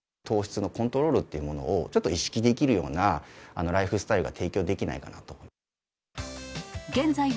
糖質のコントロールというものを、ちょっと意識できるようなライフスタイルが提供できないかなと。